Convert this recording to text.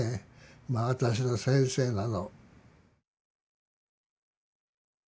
まあ私の先生なの。